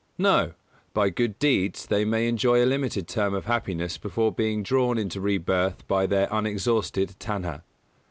No; by good deeds they may enjoy a limited term of happiness before being drawn into rebirth by their unexhausted tanhā.